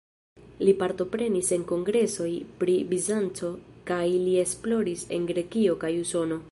Li partoprenis en kongresoj pri Bizanco kaj li esploris en Grekio kaj Usono.